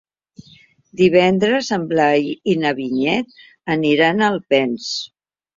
Divendres en Blai i na Vinyet aniran a Alpens.